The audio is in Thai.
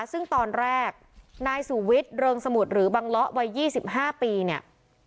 ซึ่งตอนแรกนายสู่วิทย์เริงสมุดหรือบังละวัยยี่สิบห้าปีเนี่ย